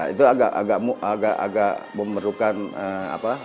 itu agak memerlukan apa